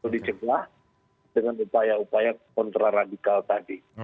dicegah dengan upaya upaya kontraradikal tadi